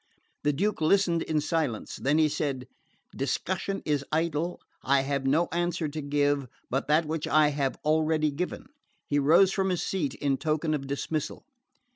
The Duke listened in silence; then he said: "Discussion is idle. I have no answer to give but that which I have already given." He rose from his seat in token of dismissal.